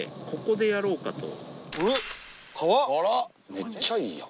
めっちゃいいやん。